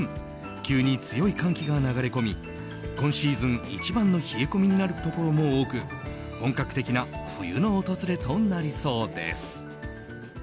急に強い寒気が流れ込み今シーズン一番の冷え込みになるところも多く本格的な冬の訪れとなりそうです。